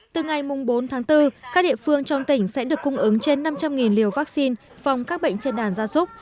từ ngày bốn tháng bốn các địa phương trong tỉnh sẽ được cung ứng trên năm trăm linh liều vaccine phòng các bệnh trên đàn gia súc